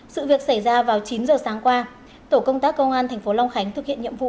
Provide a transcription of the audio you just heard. sự việc xảy ra vào chín h sáng qua tổ công tác công an tp long khánh thực hiện nhiệm vụ